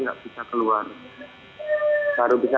itu kita melakukannya di tiga tit